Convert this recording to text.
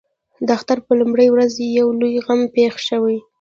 د اختر پر لومړۍ ورځ یو لوی غم پېښ شوی.